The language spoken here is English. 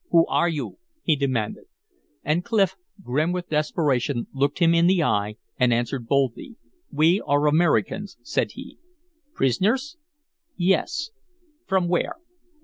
"Who are you?" he demanded. And Clif, grim with desperation, looked him in the eye and answered boldly: "We are Americans," said he. "Prisoners?" "Yes." "From where?"